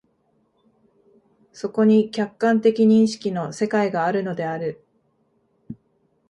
そこに客観的認識の世界があるのである。